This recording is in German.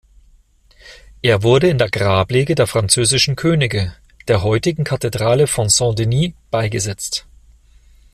Er wurde in der Grablege der französischen Könige, der heutigen Kathedrale von Saint-Denis, beigesetzt.